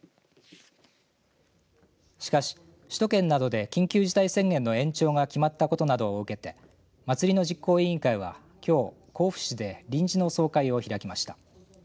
しかし首都圏などで緊急事態宣言の延長が決まったことなどを受けて祭りの実行委員会は、きょう甲府市で臨時の総会を開きました。